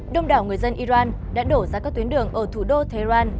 đông đảo người dân iran đã đổ ra các tuyến đường ở thủ đô tehran